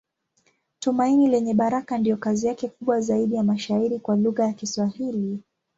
Tumaini Lenye Baraka ndiyo kazi yake kubwa zaidi ya mashairi kwa lugha ya Kiswahili.